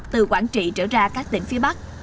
từ quảng trị trở ra các tỉnh phía bắc